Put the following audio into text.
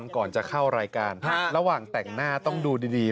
ก่อนจะเข้ารายการระหว่างแต่งหน้าต้องดูดี